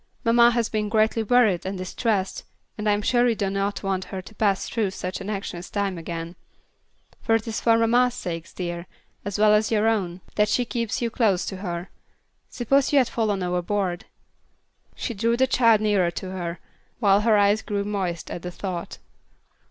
Mamma has been greatly worried and distressed, and I am sure you do not want her to pass through such an anxious time again. It is for mamma's sake, dear, as well as your own, that she keeps you close to her. Suppose you had fallen overboard." She drew the child nearer to her, while her eyes grew moist at the thought.